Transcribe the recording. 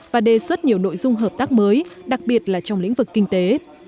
và đề xuất nhiều nội dung hợp tác mới đặc biệt là trong lĩnh vực kinh tế